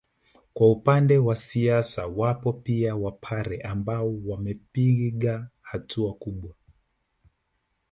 Kwa upande wa siasa wapo pia Wapare ambao wamepiga hatua kubwa